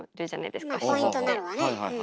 まあポイントになるわね。